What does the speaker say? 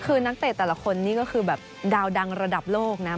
คือนักเตะแต่ละคนนี่ก็คือแบบดาวดังระดับโลกนะ